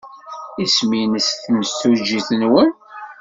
Isem-nnes timsujjit-nwen?